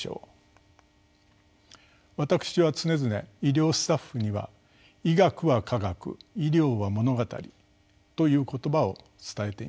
私は常々医療スタッフには「医学は科学医療は物語」という言葉を伝えています。